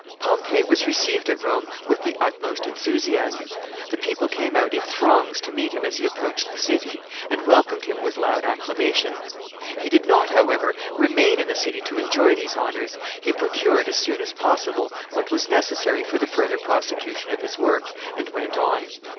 Pompey was received at Rome with the utmost enthusiasm. The people came out in throngs to meet him as he approached the city, and welcomed him with loud acclamations. He did not, however, remain in the city to enjoy these honors. He procured, as soon as possible, what was necessary for the further prosecution of his work, and went on.